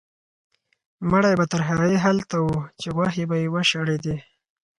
مړی به تر هغې هلته و چې غوښې به یې وشړېدې.